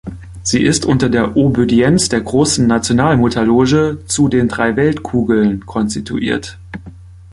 Sie ist unter der Obödienz der Großen Nationalmutterloge „Zu Den Drei Weltkugeln“ konstituiert.